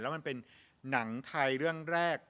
แล้วมันเป็นหนังไทยเรื่องแรก